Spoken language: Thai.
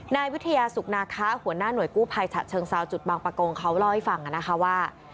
นายวิทยาสุขนาคะหัวหน้าหน่วยกู้ภัยฉะเชิงเซาจุดบางประกงเขาเล่าให้ฟังนะคะว่า